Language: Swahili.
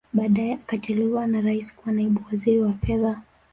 Baadae akateuliwa na Rais kuwa Naibu Waziri wa Fedha